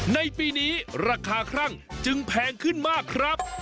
ในปีนี้ราคาคลั่งจึงแพงขึ้นมากครับ